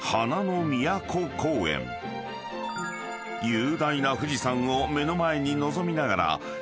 ［雄大な富士山を目の前に望みながら］